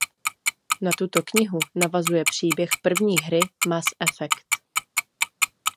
Na tuto knihu navazuje příběh první hry Mass Effect.